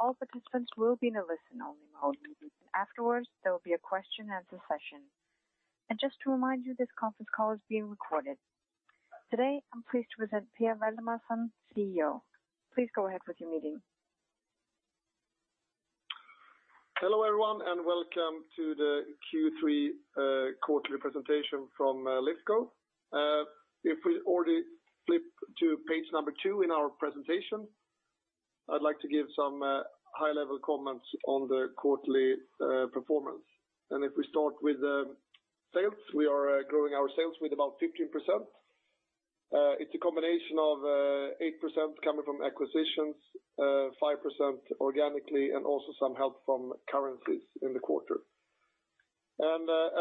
All participants will be in a listen-only mode. Afterwards, there will be a question and answer session. Just to remind you, this conference call is being recorded. Today, I'm pleased to present Per Waldemarson, CEO. Please go ahead with your meeting. Hello, everyone, welcome to the Q3 quarterly presentation from Lifco. If we already flip to page number two in our presentation, I’d like to give some high-level comments on the quarterly performance. If we start with sales, we are growing our sales with about 15%. It’s a combination of 8% coming from acquisitions, 5% organically, and also some help from currencies in the quarter.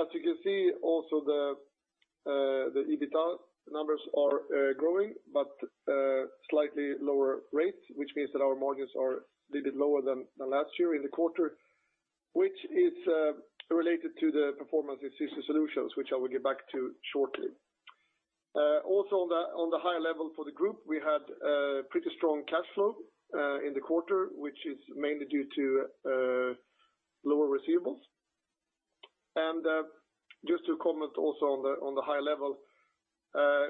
As you can see, also the EBITDA numbers are growing, but slightly lower rates, which means that our margins are a little bit lower than last year in the quarter, which is related to the performance in Systems Solutions, which I will get back to shortly. Also on the higher level for the group, we had pretty strong cash flow in the quarter, which is mainly due to lower receivables. Just to comment also on the high level,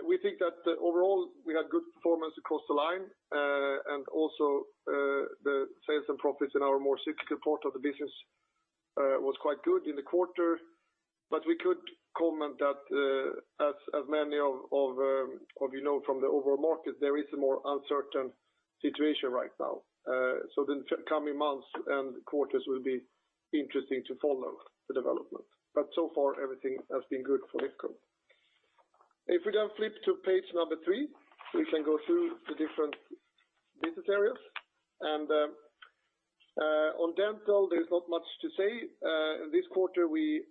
we think that overall we had good performance across the line, and also the sales and profits in our more cyclical part of the business was quite good in the quarter. We could comment that as many of you know from the overall market, there is a more uncertain situation right now. The coming months and quarters will be interesting to follow the development. So far everything has been good for Lifco. If we flip to page number three, we can go through the different business areas. On Dental, there's not much to say. This quarter we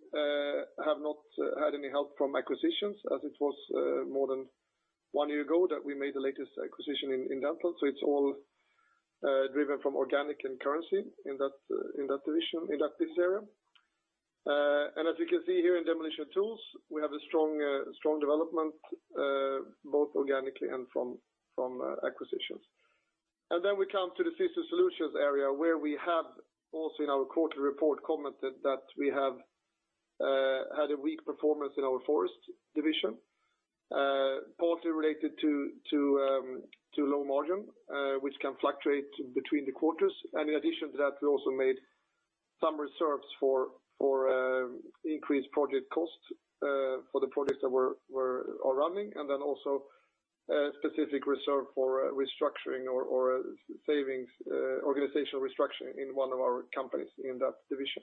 have not had any help from acquisitions as it was more than one year ago that we made the latest acquisition in Dental. It's all driven from organic and currency in that division, in that business area. As you can see here in Demolition & Tools, we have a strong development both organically and from acquisitions. We come to the Systems Solutions area where we have also in our quarterly report commented that we have had a weak performance in our Forest division, partly related to low margin which can fluctuate between the quarters. In addition to that, we also made some reserves for increased project costs for the projects that are running, also a specific reserve for restructuring or savings, organizational restructuring in one of our companies in that division.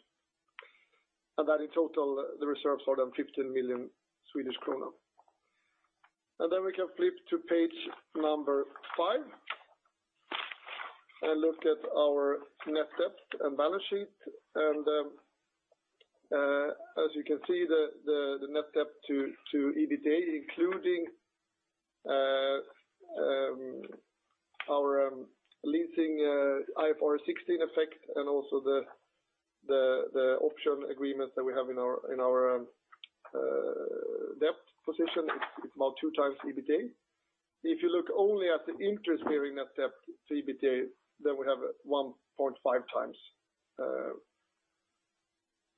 That in total, the reserves are 15 million Swedish krona. We can flip to page number five and look at our net debt and balance sheet. As you can see, the net debt to EBITDA, including our leasing IFRS 16 effect and also the option agreements that we have in our debt position is about two times EBITA. If you look only at the interest-bearing net debt to EBITA, we have 1.5 times.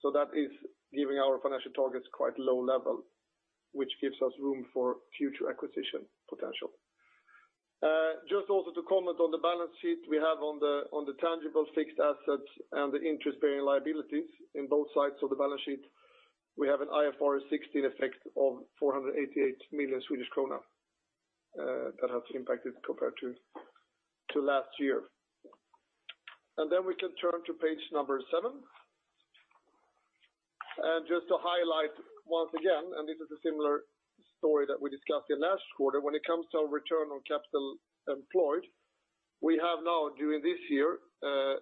That is giving our financial targets quite low level, which gives us room for future acquisition potential. Just also to comment on the balance sheet we have on the tangible fixed assets and the interest-bearing liabilities in both sides of the balance sheet, we have an IFRS 16 effect of 488 million Swedish krona that has impacted compared to last year. We can turn to page seven. Just to highlight once again, and this is a similar story that we discussed in last quarter, when it comes to our return on capital employed, we have now during this year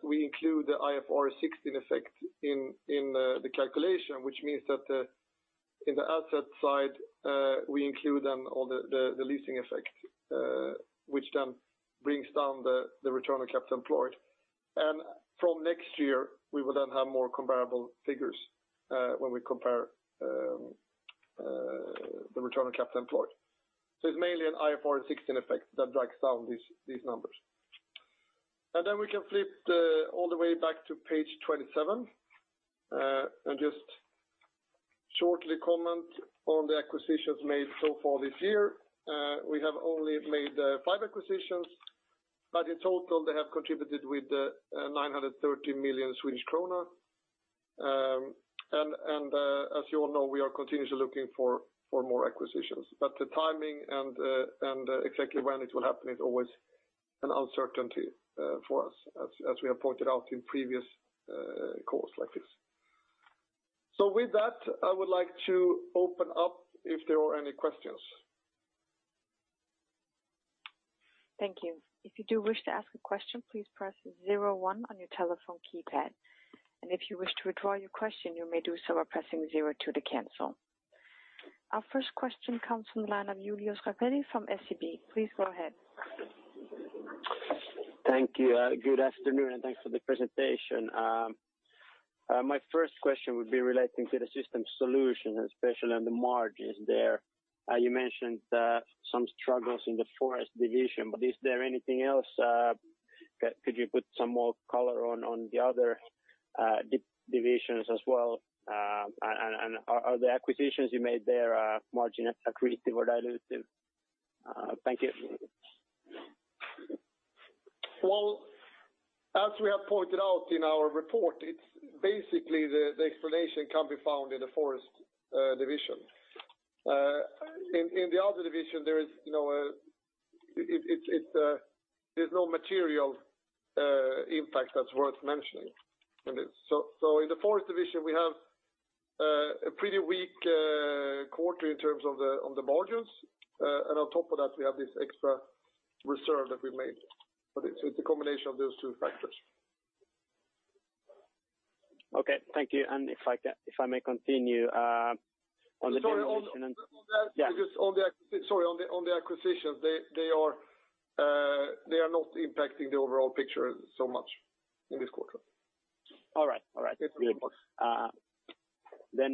we include the IFRS 16 effect in the calculation, which means that in the asset side we include then all the leasing effect which then brings down the return on capital employed. From next year, we will then have more comparable figures when we compare the return on capital employed. It's mainly an IFRS 16 effect that drags down these numbers. We can flip all the way back to page 27, and just shortly comment on the acquisitions made so far this year. We have only made five acquisitions, but in total, they have contributed with 930 million Swedish krona. As you all know, we are continuously looking for more acquisitions. The timing and exactly when it will happen is always an uncertainty for us, as we have pointed out in previous calls like this. With that, I would like to open up if there are any questions. Thank you. If you do wish to ask a question, please press zero one on your telephone keypad. If you wish to withdraw your question, you may do so by pressing zero two to cancel. Our first question comes from the line of Julius Rapeli from SEB. Please go ahead. Thank you. Good afternoon, and thanks for the presentation. My first question would be relating to the Systems Solutions, especially on the margins there. You mentioned some struggles in the Forest division, but is there anything else? Could you put some more color on the other divisions as well? Are the acquisitions you made there margin accretive or dilutive? Thank you. Well, as we have pointed out in our report, basically, the explanation can be found in the Forest division. In the other division, there's no material impact that's worth mentioning in it. In the Forest division, we have a pretty weak quarter in terms of the margins, and on top of that, we have this extra reserve that we made. It's a combination of those two factors. Okay. Thank you. If I may continue. Sorry, on the acquisitions, they are not impacting the overall picture so much in this quarter. All right. Yes.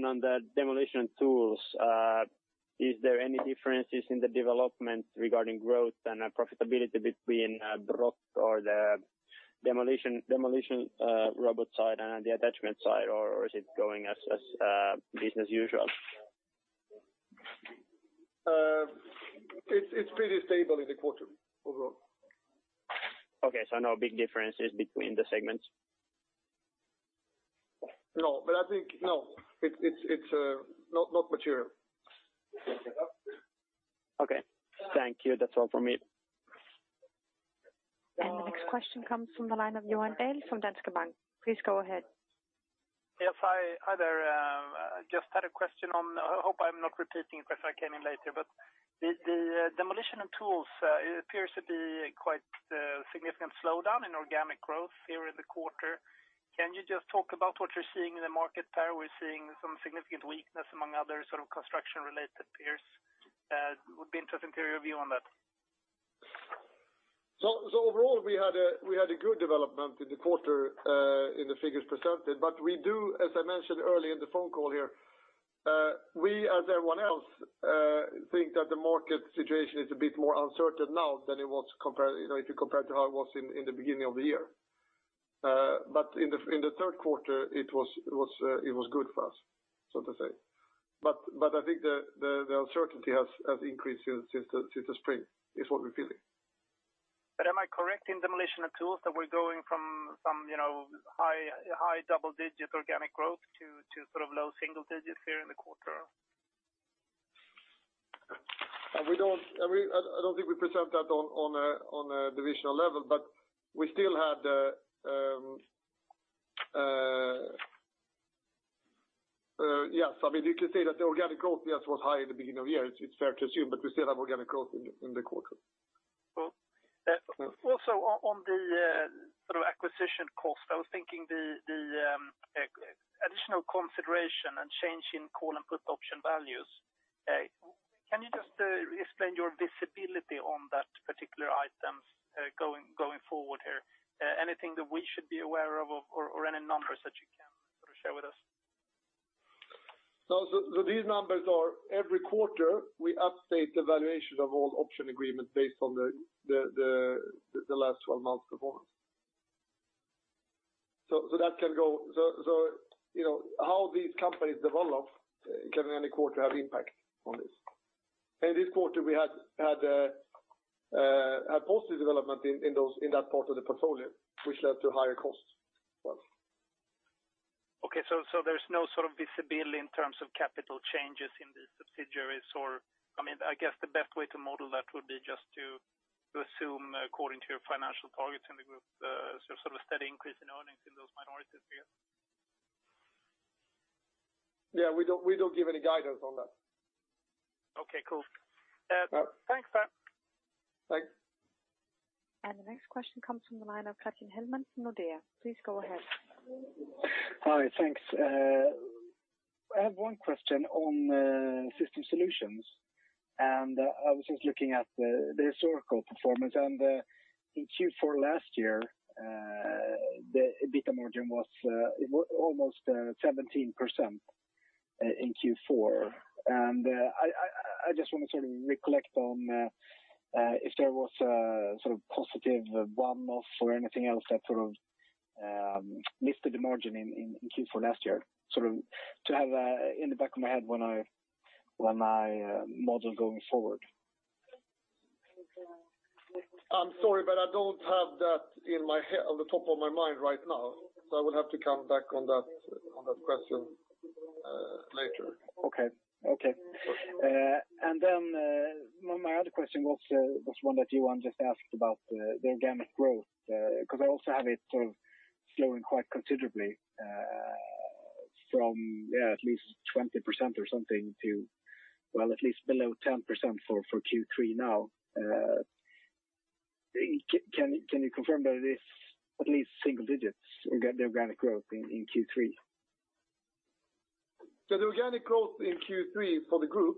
On the Demolition & Tools, are there any differences in the development regarding growth and profitability between Brokk or the demolition robot side and the attachment side? Is it going as business as usual? It's pretty stable in the quarter overall. Okay, no big differences between the segments? No, it's not material. Okay. Thank you. That's all from me. The next question comes from the line of Johan Dahl from Danske Bank. Please go ahead. Yes, hi there. I just had a question on, I hope I'm not repeating because I came in later, but the Demolition & Tools appears to be quite a significant slowdown in organic growth here in the quarter. Can you just talk about what you're seeing in the market there? We're seeing some significant weakness among other sort of construction-related peers. It would be interesting to hear your view on that. Overall, we had a good development in the quarter in the figures presented. We do, as I mentioned earlier in the phone call here, we, as everyone else, think that the market situation is a bit more uncertain now than if you compare it to how it was in the beginning of the year. In the third quarter, it was good for us, so to say. I think the uncertainty has increased since the spring, is what we're feeling. Am I correct in Demolition & Tools that we're going from some high double-digit organic growth to low single digits here in the quarter? I don't think we present that on a divisional level. You could say that the organic growth, yes, was high in the beginning of the year, it's fair to assume, but we still have organic growth in the quarter. Cool. On the acquisition cost, I was thinking the additional consideration and change in call and put option values, can you just explain your visibility on that particular item going forward here? Anything that we should be aware of or any numbers that you can sort of share with us? These numbers are every quarter, we update the valuation of all option agreements based on the last 12 months performance. How these companies develop can any quarter have impact on this. In this quarter, we had a positive development in that part of the portfolio, which led to higher costs as well. Okay, there's no sort of visibility in terms of capital changes in the subsidiaries, I guess the best way to model that would be just to assume according to your financial targets in the group, sort of steady increase in earnings in those minorities here? Yeah, we don't give any guidance on that. Okay, cool. Thanks. Thanks. The next question comes from the line of Karri Rinta from Nordea. Please go ahead. Hi, thanks. I have one question on Systems Solutions, and I was just looking at the historical performance, and in Q4 last year, the EBITDA margin was almost 17% in Q4. I just want to sort of recollect on if there was a sort of positive one-off or anything else that sort of lifted the margin in Q4 last year, sort of to have in the back of my head when I model going forward. I'm sorry, but I don't have that on the top of my mind right now, so I will have to come back on that question later. Okay. My other question was one that Johan just asked about the organic growth, because I also have it sort of slowing quite considerably from at least 20% or something to, well, at least below 10% for Q3 now. Can you confirm that it is at least single digits, the organic growth in Q3? The organic growth in Q3 for the group.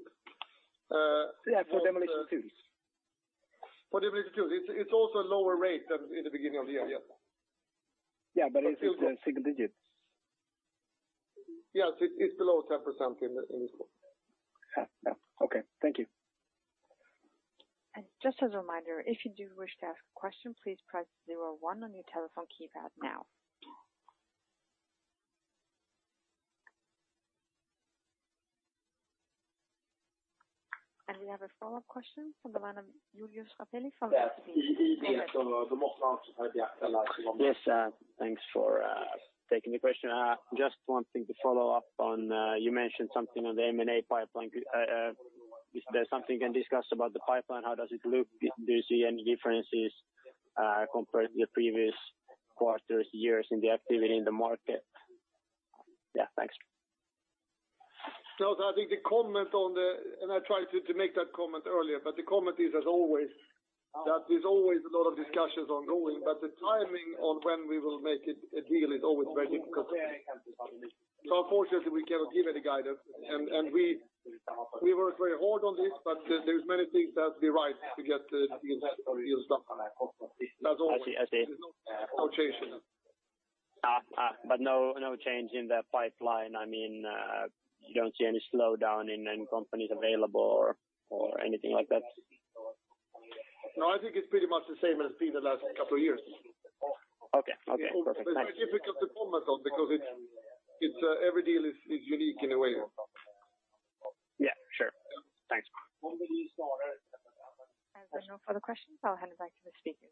Yeah, for Demolition & Tools. For Demolition & Tools. It's also a lower rate than in the beginning of the year. Yes. Yeah, is it in single digits? Yes, it's below 10% in this quarter. Yeah. Okay. Thank you. Just as a reminder, if you do wish to ask a question, please press 01 on your telephone keypad now. We have a follow-up question from the line of Julius Rapeli from Yes. Thanks for taking the question. Just one thing to follow up on, you mentioned something on the M&A pipeline. Is there something you can discuss about the pipeline? How does it look? Do you see any differences compared to the previous quarters, years in the activity in the market? Yeah, thanks. I think the comment on the and I tried to make that comment earlier, but the comment is as always, that there's always a lot of discussions ongoing, but the timing on when we will make a deal is always very difficult. Unfortunately, we cannot give any guidance. We work very hard on this, but there's many things that have to be right to get the deal done. As always. I see. There's no change. No change in the pipeline. You don't see any slowdown in companies available or anything like that? No, I think it's pretty much the same as it's been the last couple of years. Okay. Perfect. Thanks. It's difficult to comment on because every deal is unique in a way. Yeah, sure. Thanks. As there are no further questions, I'll hand it back to the speaker.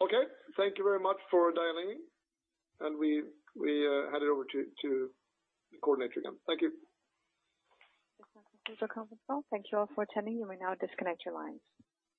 Okay. Thank you very much for dialing in. We hand it over to the coordinator again. Thank you. This is the conference call. Thank you all for attending. You may now disconnect your lines.